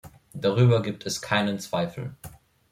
Darüber gibt es keinen Zweifel.